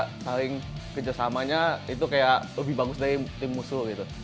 kita saling kerjasamanya itu kayak lebih bagus dari tim musuh gitu